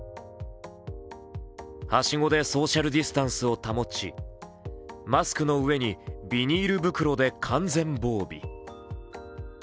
はしごでソーシャルディスタンスを保ち、マスクの上にビニール袋で完全防備。